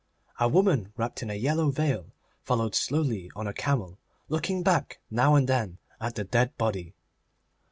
A woman wrapped in a yellow veil followed slowly on a camel, looking back now and then at the dead body.